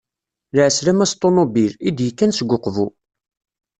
Lɛeslama s ṭunubil, i d-yekkan seg Uqbu.